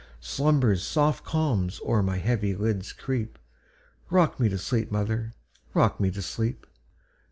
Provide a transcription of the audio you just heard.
Slumber's soft calms o'er my heavy lids creep;—Rock me to sleep, mother,—rock me to sleep!